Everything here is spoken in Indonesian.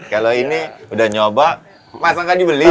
kalau ini udah nyoba masa nggak dibeli